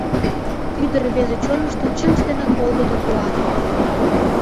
Ӱдыр-рвезе чонышто чынже денак волгыдо куан!